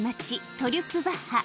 トリュップバッハ